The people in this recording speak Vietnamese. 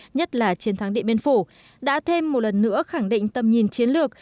nhất là chiến thắng điện biên phủ đã thêm một lần nữa khẳng định tầm nhìn chiến lược